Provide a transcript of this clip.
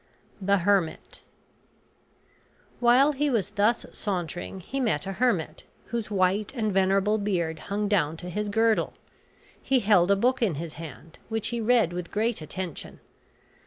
THE HERMIT While he was thus sauntering he met a hermit, whose white and venerable beard hung down to his girdle. He held a book in his hand, which he read with great attention.